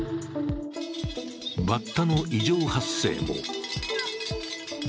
バッタの異常発生も。